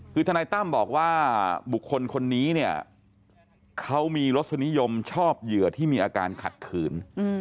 คือทนายตั้มบอกว่าบุคคลคนนี้เนี่ยเขามีรสนิยมชอบเหยื่อที่มีอาการขัดขืน